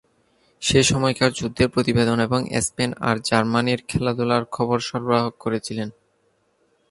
সে সময়কার যুদ্ধের প্রতিবেদন এবং স্পেন আর জার্মানির খেলাধূলার খবর সরবরাহ করছিলেন।